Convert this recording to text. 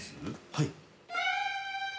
はい。